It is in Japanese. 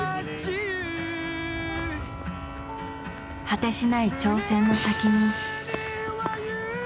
果てしない挑戦の先に。